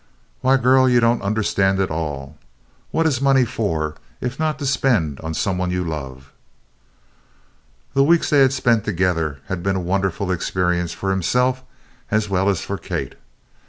"Why, girl, you don't understand at all! What is money for, if not to spend on some one you love?" The weeks they had spent together had been a wonderful experience for himself as well as for Kate.